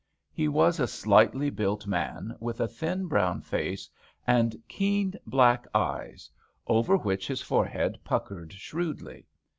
He was a slightly built man with a thin brown face and keen black 31 i HAMPSHIRE VIGNETTES eyes, over which his forehead puckered shrewdly.